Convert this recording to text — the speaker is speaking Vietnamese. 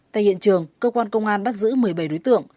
tại hiện trường cơ quan công an bắt giữ một mươi bảy đối tượng